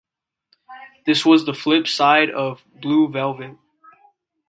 This was the flip side of "Blue Velvet".